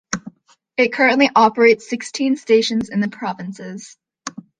It currently operates sixteen stations in the provinces.